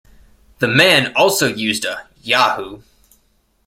The man also used a Yahoo!